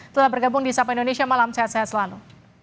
telah bergabung di sapa indonesia malam sehat sehat selalu